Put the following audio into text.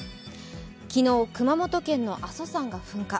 昨日、熊本県の阿蘇山が噴火。